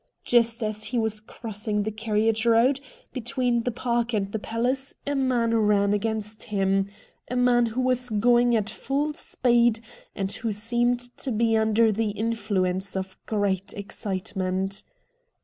Just as he was crossing the carriage road between the Park and the Palace a man ran against him — a man who was going at full speed, and who seemed to be under the influence of great excitement.